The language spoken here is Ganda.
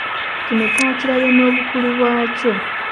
Kino twakirabye n'obukulu bwakyo